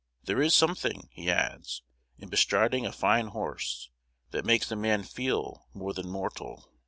There is something," he adds, "in bestriding a fine horse, that makes a man feel more than mortal.